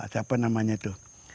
siapa namanya tuh